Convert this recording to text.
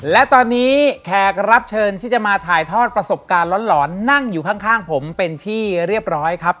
และตอนนี้แขกรับเชิญที่จะมาถ่ายทอดประสบการณ์หลอนนั่งอยู่ข้างผมเป็นที่เรียบร้อยครับ